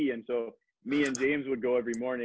jadi aku dan james pergi setiap pagi